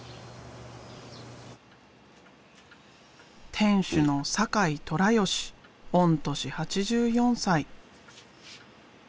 店主の酒井寅義御年８４歳。